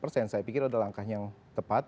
saya pikir adalah langkah yang tepat